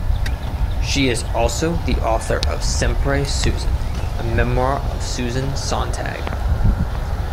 She is also the author of Sempre Susan: A Memoir of Susan Sontag.